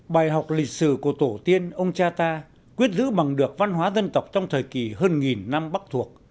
bài học lịch sử của tổ tiên ông cha ta quyết giữ bằng được văn hóa dân tộc trong thời kỳ hơn nghìn năm bắc thuộc